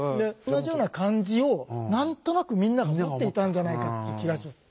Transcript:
同じような感じを何となくみんなが持っていたんじゃないかっていう気がします。